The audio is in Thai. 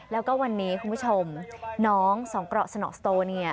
แล้วก็วันนี้คุณผู้ชมน้องสองเกราะสนอสโตเนี่ย